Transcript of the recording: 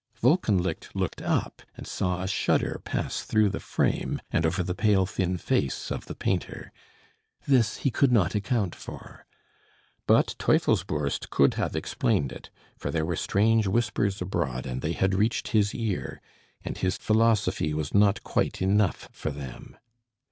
Wolkenlicht looked up, and saw a shudder pass through the frame, and over the pale thin face of the painter. This he could not account for. But Teufelsbürst could have explained it, for there were strange whispers abroad, and they had reached his ear; and his philosophy was not quite enough for them.